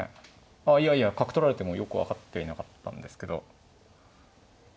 あいやいや角取られてもよく分かってはいなかったんですけど。